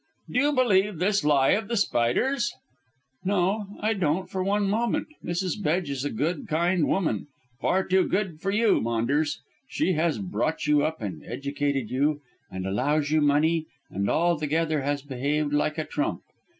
"Do you believe this lie of The Spider's?" "No, I don't, for one moment. Mrs. Bedge is a good, kind woman, far too good for you, Maunders. She has brought you up and educated you, and allows you money, and altogether has behaved like a trump.